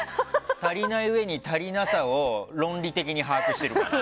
足りないうえに足りなさを論理的に把握してるから。